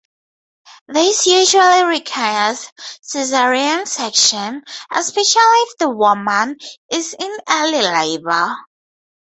This usually requires cesarean section, especially if the woman is in early labor.